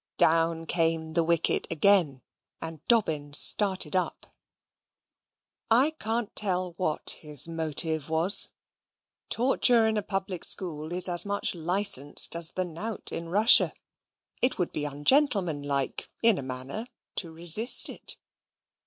Down came the wicket again; and Dobbin started up. I can't tell what his motive was. Torture in a public school is as much licensed as the knout in Russia. It would be ungentlemanlike (in a manner) to resist it.